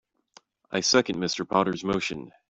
I second Mr. Potter's motion.